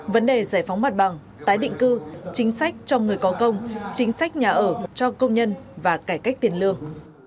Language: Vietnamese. vấn đề giải phóng mặt bằng tái định cư chính sách cho người có công chính sách nhà ở cho công nhân và cải cách tiền lương